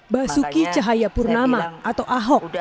basuki cahayapurnama atau ahok